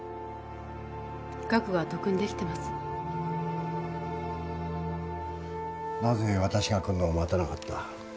覚悟はとっくにできています・なぜ私が来るのを待たなかった？